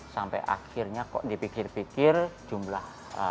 sampai akhirnya kok dipikir pikir jumlah